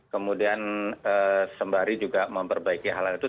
kemudian sembari juga memperbaiki hal hal itu